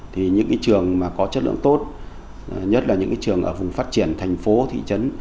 thì những cái trường mà có chất lượng tốt nhất là những trường ở vùng phát triển thành phố thị trấn